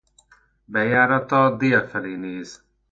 A bejárata dél felé néz.